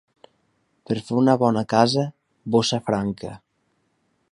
Per fer una bona casa, bossa franca.